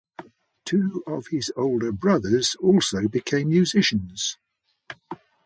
Two of his older brothers also became musicians.